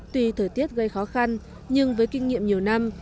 tuy thời tiết gây khó khăn nhưng với kinh nghiệm nhiều năm